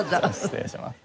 失礼します。